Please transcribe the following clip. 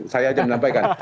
saya aja menampakan